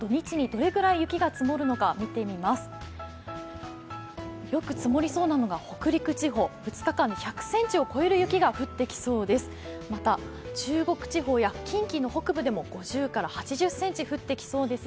よく積もりそうなのが北陸地方、２日間で１００ｃｍを超える雪が降ってきそうです。